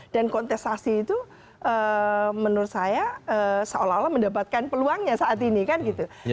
kontestasi itu menurut saya seolah olah mendapatkan peluangnya saat ini kan gitu